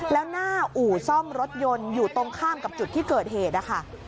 แล้วหน้าอู่ซ่อมรถยนต์อยู่ตรงข้ามกับจุดที่เกิดเหตุนะคะ